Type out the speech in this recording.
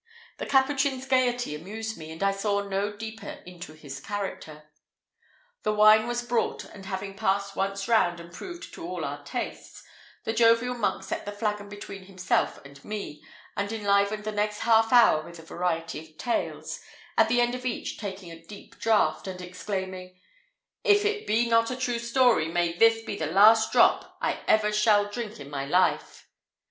The Capuchin's gaiety amused me, and I saw no deeper into his character. The wine was brought; and having passed once round and proved to all our tastes, the jovial monk set the flagon between himself and me, and enlivened the next half hour with a variety of tales, at the end of each taking a deep draught, and exclaiming, "If it be not a true story, may this be the last drop I ever shall drink in my life!"